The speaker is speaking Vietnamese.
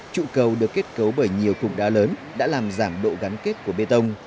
trụ cầu được kết cấu bởi nhiều cụm đá lớn đã làm giảm độ gắn kết của bê tông